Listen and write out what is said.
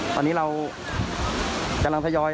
ตอนนี้เรากำลังทยอย